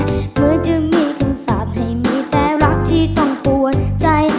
เหมือนจะมีคำสาปให้มีแต่รักที่ต้องปวดใจ